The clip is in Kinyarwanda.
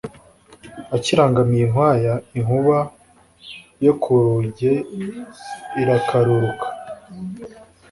akirangamiye inkwaya, inkuba yo ku ruge irakaruruka,